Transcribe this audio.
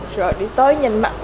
rồi đi tới nhìn mặt nó